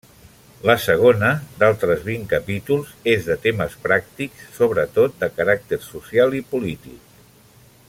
La segona, d'altres vint capítols, és de temes pràctics, sobretot de caràcter social i polític.